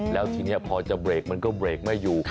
แล้วทีนี้พอจะเบรกมันก็เบรกไม่อยู่